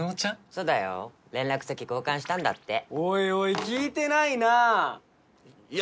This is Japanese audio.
そうだよ連絡先交換したんだっておいおい聞いてないない